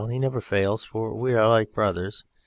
He never fails, for we are like brothers!"